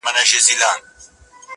هغه پلار یې چي یو وخت شاه جهان وو!.